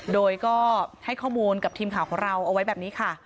โดยก็ให้ข้อมูลกับทีมข่าวของเราเอาไว้แบบนี้ค่ะ